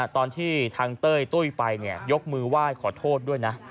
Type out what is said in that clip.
ตอนที่ทางเต้ยตุ้ยไปยกมือไหว้ขอโทษด้วยนะ